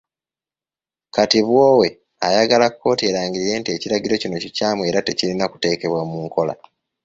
Kati Bwowe ayagala kkooti erangirire nti ekiragiro kino kikyamu era tekirina kuteekebwa mu nkola.